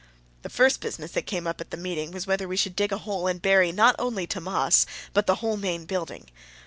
The first business that came up at the meeting, was whether we should dig a hole and bury, not only Tammas, but the whole main building.